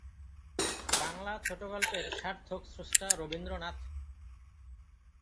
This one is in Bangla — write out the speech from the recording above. বাংলা ছোটগল্পের সার্থক স্রষ্টা রবীন্দ্রনাথ।